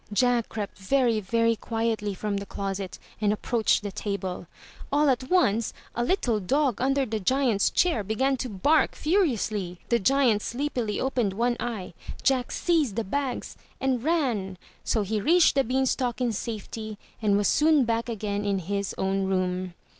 Jack crept very, very quietly from the closet and approached the table. All at once 381 MY BOOK HOUSE a little dog under the giant's chair began to bark furiously. The giant sleepily opened one eye; Jack seized the bags and ran! So he reached the bean stalk in safety and was soon back again in his own room.